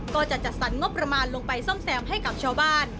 ก็จะจัดสรรงบประมาณลงไปซ่อมแซมให้กับชาวบ้าน